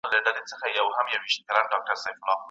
که د خاوند او مېرمني تر منځ شخړه پېښه سوه.